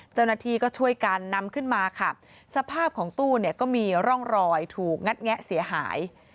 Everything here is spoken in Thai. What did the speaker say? เจ้าหน้าที่ก็ช่วยกันนำขึ้นมาค่ะสภาพของตู้เนี่ยก็มีร่องรอยถูกงัดแงะเสียหาย